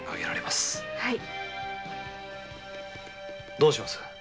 どうします？